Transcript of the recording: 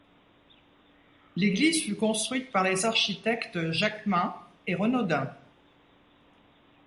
L'église fut construite par les architectes Jacquemin et Renaudin.